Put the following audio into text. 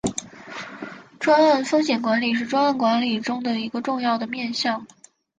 专案风险管理是专案管理中一个重要的面向。